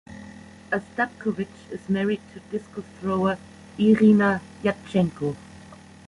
Astapkovich is married to discus thrower Irina Yatchenko.